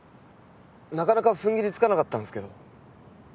なかなか踏ん切りつかなかったんすけど。